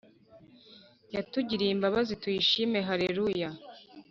Yatugiriye imbabazi tuyishime hareruya